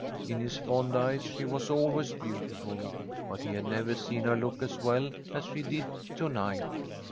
In his fond eyes she was always beautiful, but he had never seen her look as well as she did to night.